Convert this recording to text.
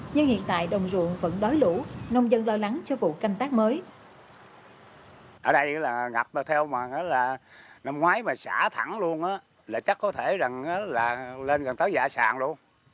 nhiều đầy bao xả lũ nông dân dần xả lũ nông dân dần xả lũ